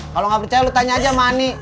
kalo gak percaya lu tanya aja manny